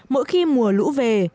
mỗi khi mùa lũ về